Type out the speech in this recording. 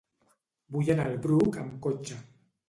Vull anar al Bruc amb cotxe.